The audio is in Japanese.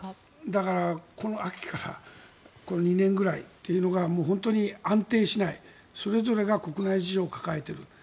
だからこの秋からこの２年ぐらいというのがもう本当に安定しないそれぞれが国内事情を抱えている。